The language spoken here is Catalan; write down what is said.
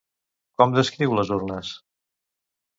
Com descriu les urnes?